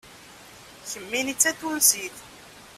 Kemmini d Tatunsit.